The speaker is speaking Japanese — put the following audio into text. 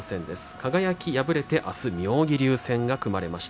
輝は敗れて、あすは妙義龍戦が組まれました。